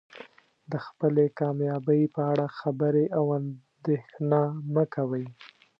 د خپلې کامیابۍ په اړه خبرې او اندیښنه مه کوئ.